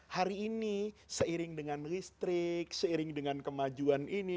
hari ini seiring dengan listrik seiring dengan kemajuan ini